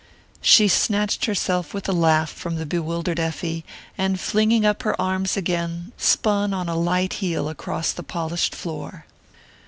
She snatched herself with a laugh from the bewildered Effie, and flinging up her arms again, spun on a light heel across the polished floor.